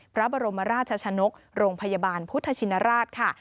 พระบรมราชชนกโรงพยาบาลพุทธชินราชค่ะ